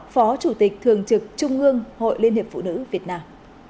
phó chủ tịch thường trực trung ương hội liên hiệp phụ nữ việt nam